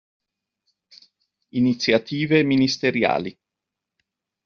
Iniziative ministeriali.